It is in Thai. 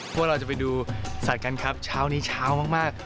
พวกเราจะไปดูสัตว์กันครับเช้านี้เช้ามาก